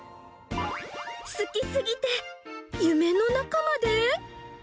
好きすぎて夢の中まで？